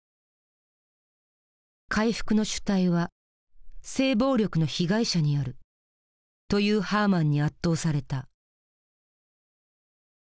「回復の主体は性暴力の被害者にある」というハーマンに圧倒された。